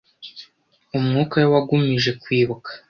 umwuka we wagumije kwibuka